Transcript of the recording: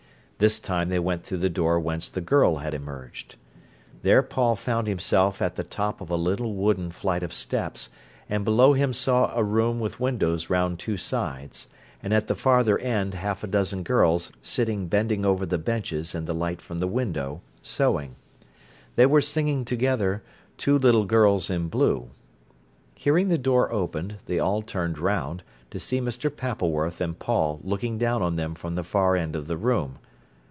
This time they went through the door whence the girl had emerged. There Paul found himself at the top of a little wooden flight of steps, and below him saw a room with windows round two sides, and at the farther end half a dozen girls sitting bending over the benches in the light from the window, sewing. They were singing together "Two Little Girls in Blue". Hearing the door opened, they all turned round, to see Mr. Pappleworth and Paul looking down on them from the far end of the room.